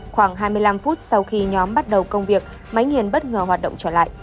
khoảng hai mươi năm phút sau khi nhóm bắt đầu công việc máy nghiền bất ngờ hoạt động trở lại